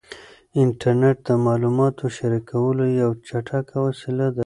انټرنیټ د معلوماتو د شریکولو یوه چټکه وسیله ده.